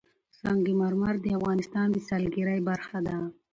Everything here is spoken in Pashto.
سنگ مرمر د افغانستان د سیلګرۍ برخه ده.